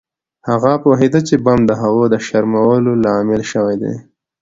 هغه پوهیده چې بم د هغه د شرمولو لامل شوی دی